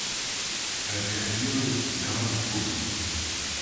Alteración da orde pública.